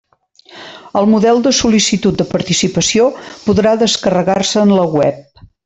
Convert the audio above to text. El model de sol·licitud de participació podrà descarregar-se en la web.